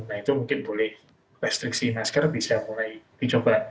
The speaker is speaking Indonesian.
nah itu mungkin boleh restriksi masker bisa mulai dicoba